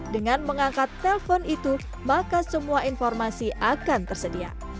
dengan mengangkat telpon itu maka semua informasi akan tersedia